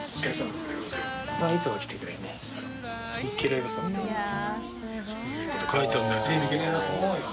いいこと書いてあるんだよ